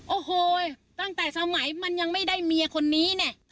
โอ้โหตั้งแต่สมัยมันยังไม่ได้เมียคนนี้เนี่ย